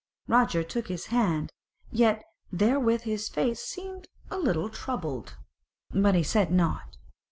Roger took his hand, yet therewith his face seemed a little troubled, but he said nought.